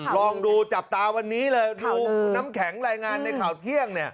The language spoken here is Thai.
ลองดูจับตาวันนี้เลยดูน้ำแข็งรายงานในข่าวเที่ยงเนี่ย